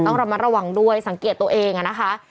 ต้องระมัดระวังด้วยสังเกตตัวเองนะคะ